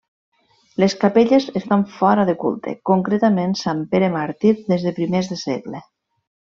Les capelles estan fora de culte, concretament Sant Pere Màrtir des de primers de segle.